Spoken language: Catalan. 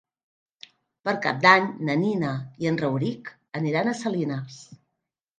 Per Cap d'Any na Nina i en Rauric aniran a Salines.